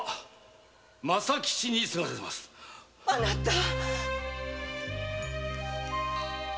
あなた！